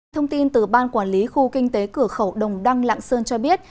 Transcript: thông tin từ ban quản lý khu kinh tế cửa khẩu đồng đăng lạng sơn cho biết